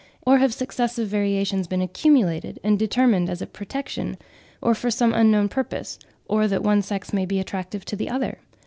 Or have successive variations been accumulated and determined as a protection, or for some unknown purpose, or that one sex may be attractive to the other?